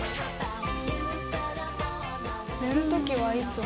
「寝る時はいつも」。